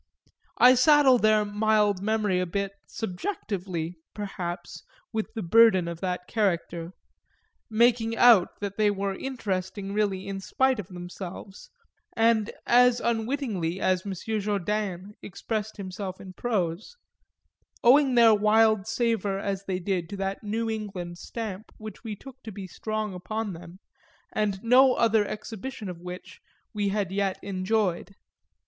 I saddle their mild memory a bit "subjectively" perhaps with the burden of that character making out that they were interesting really in spite of themselves and as unwittingly as M. Jourdain expressed himself in prose; owing their wild savour as they did to that New England stamp which we took to be strong upon them and no other exhibition of which we had yet enjoyed.